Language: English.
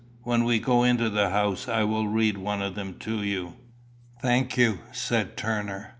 When we go into the house I will read one of them to you." "Thank you," said Turner.